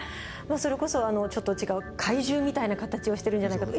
それこそちょっと違う怪獣みたいな形をしてるんじゃないか。